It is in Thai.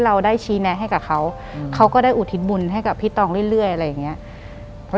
หลังจากนั้นเราไม่ได้คุยกันนะคะเดินเข้าบ้านอืม